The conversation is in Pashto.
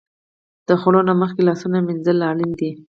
د خوړو نه مخکې لاسونه مینځل اړین دي.